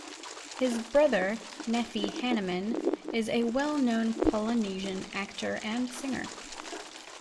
His brother Nephi Hannemann is a well known Polynesian actor and singer.